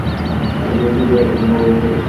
কিন্তু এটা এখন স্বাভাবিক হয়ে গেছে।